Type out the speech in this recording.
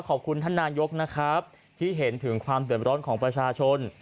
ขอบคุณท่านนายกนะครับที่เห็นถึงความเดือดร้อนของประชาชน